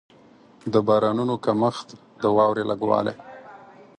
د بارانونو کمښت، د واورې لږ والی.